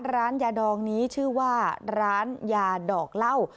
ร้านยาดองนี้ชื่อว่าร้านยาดอกเหล้า